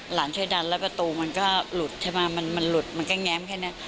หลานช่วยดันแล้วประตูมันก็หลุดใช่ไหมมันหลุดมันก็แง้มแค่นั้น